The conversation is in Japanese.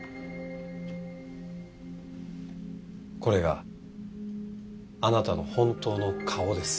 これがあなたの本当の顔です。